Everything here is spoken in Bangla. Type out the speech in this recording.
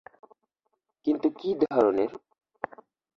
কিন্তু কী ধরণের?